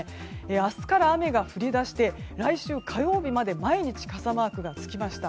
明日から雨が降り出して来週火曜日まで毎日、傘マークがつきました。